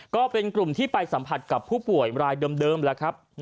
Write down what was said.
ก็เป็นกลุ่มที่ไปสัมผัสกับผู้ป่วยรายเดิมแล้วครับ